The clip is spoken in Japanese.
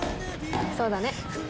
そうだね。